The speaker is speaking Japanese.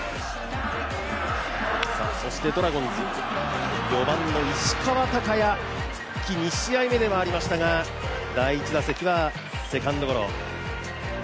そして、ドラゴンズ４番の石川昂弥、復帰から２試合目でもありましたがセカンドゴロ。